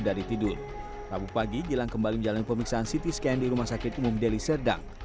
dari tidur rabu pagi gilang kembali menjalani pemeriksaan ct scan di rumah sakit umum deli serdang